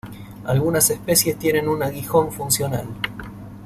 Algunas especies tienen un aguijón funcional.